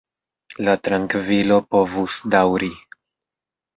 La trankvilo povus daŭri.